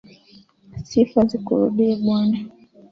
Sifa zikurudie bwana.